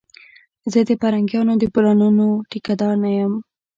زه د پرنګيانو د پلانونو ټيکه دار نه یم